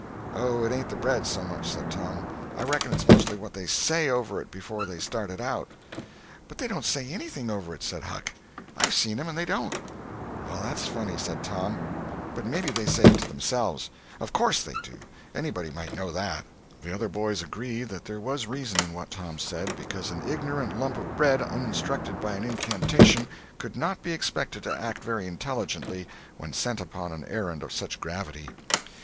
"Oh, it ain't the bread, so much," said Tom; "I reckon it's mostly what they say over it before they start it out." "But they don't say anything over it," said Huck. "I've seen 'em and they don't." "Well, that's funny," said Tom. "But maybe they say it to themselves. Of course they do. Anybody might know that." The other boys agreed that there was reason in what Tom said, because an ignorant lump of bread, uninstructed by an incantation, could not be expected to act very intelligently when set upon an errand of such gravity.